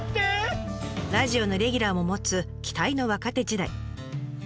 ラジオのレギュラーも持つ期待の若手時代。